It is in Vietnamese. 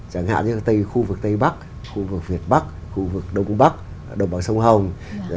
chẳng hạn như tây khu vực tây bắc khu vực việt bắc khu vực đông bắc đồng bằng sông hồng